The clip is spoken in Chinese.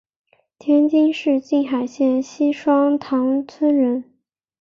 天津市静海县西双塘村人。